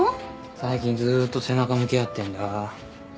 最近ずっと背中向け合ってんだ。